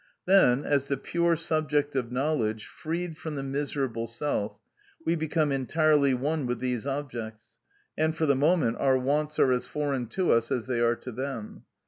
Then, as the pure subject of knowledge, freed from the miserable self, we become entirely one with these objects, and, for the moment, our wants are as foreign to us as they are to them.